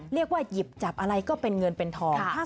หยิบจับอะไรก็เป็นเงินเป็นทอง